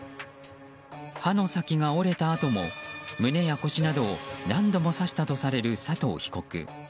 刃の先が折れたあとも胸や腰などを何度も刺したとされる佐藤被告。